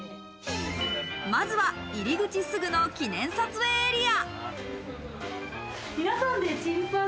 まずは入口すぐの記念撮影エリア。